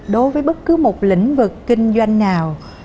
đối với bất cứ một lĩnh vực kinh doanh nào